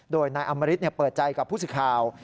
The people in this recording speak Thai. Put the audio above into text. โดยนายอำริษฐ์เปิดใจกับผู้สื่อข่าว